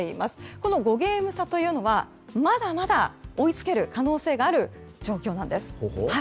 この５ゲーム差というのはまだまだ追いつける可能性がある状況なんです。